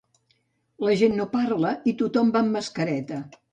La gent no parla i tothom va amb mascareta.